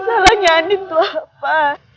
salahnya andi tuhan pak